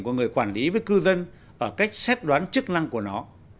của người quản lý với cư dân ở cách xét đoán chức năng của nó